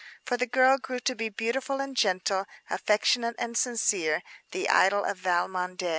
For the girl grew to be beautiful and gentle, affectionate and sincere,—the idol of Valmondé.